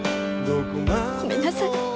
ごめんなさい。